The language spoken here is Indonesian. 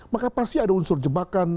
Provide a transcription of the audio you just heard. maka pasti ada unsur jebakan